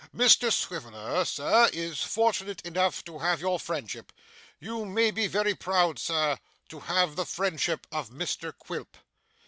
Mr Swiveller, Sir, is fortunate enough to have your friendship. You may be very proud, Sir, to have the friendship of Mr Quilp.